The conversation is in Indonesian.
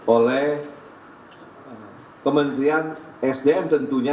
oleh kementerian sdm tentunya